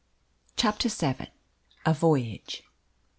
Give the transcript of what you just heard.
CHAPTER VII. A VOYAGE.